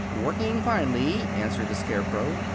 "Working finely," answered the Scarecrow.